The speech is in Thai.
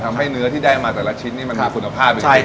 ทำให้เนื้อที่ได้ออกมาแต่ละชิ้นนี้มันมีคุณภาพอยู่ข้างหน้า